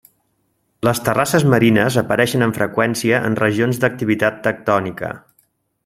Les terrasses marines apareixen amb freqüència en regions d'activitat tectònica.